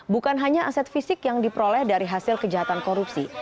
bukan hanya aset fisik yang diperoleh dari hasil kejahatan korupsi